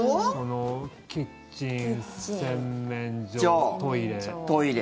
キッチン、洗面所、トイレ。